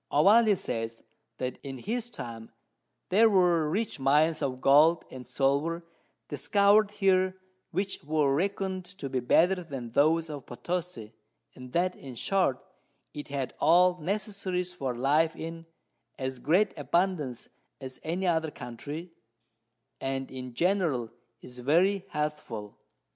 Ovalle says, That in his time there were rich Mines of Gold and Silver discover'd here, which were reckon'd to be better than those of Potosi, and that in short it had all Necessaries for Life in as great abundance as any other Country, and in general is very healthful.